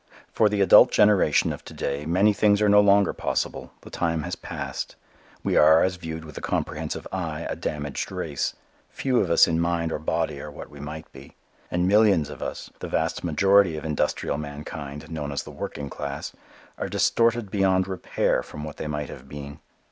For the adult generation of to day many things are no longer possible. The time has passed. We are, as viewed with a comprehensive eye, a damaged race. Few of us in mind or body are what we might be; and millions of us, the vast majority of industrial mankind known as the working class, are distorted beyond repair from what they might have been.